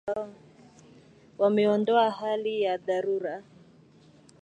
Wameondoa hali ya dharura.